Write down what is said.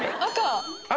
赤。